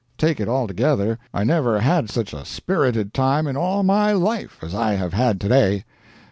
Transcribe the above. Take it altogether, I never had such a spirited time in all my life as I have had to day.